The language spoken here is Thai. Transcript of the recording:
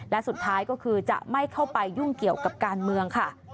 และสุดท้ายก็คือจะไม่เข้าไปยุ่งเกี่ยวกับการเมืองค่ะ